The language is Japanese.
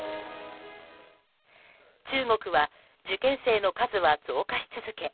中国は受験生の数は増加し続け